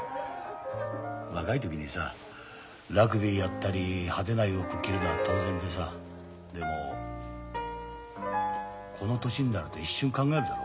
若い時にさラグビーやったり派手な洋服着るのは当然でさでもこの年になると一瞬考えるだろ？